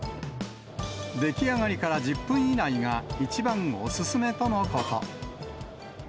出来上がりから１０分以内が、一番お勧めとのこと。